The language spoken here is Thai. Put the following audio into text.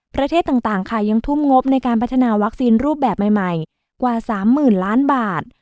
ประเทศต่างค่ะยังทุ่มงบในการพัฒนาวัคซีนรูปแบบใหม่กว่า๓๐๐๐ล้านบาท